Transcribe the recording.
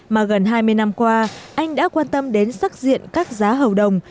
mà gần hai mươi năm qua anh đã quan tâm đến sắc diện các giá hầu đồng